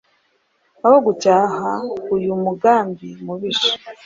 Aho gucyaha uyu mugambi mubisha,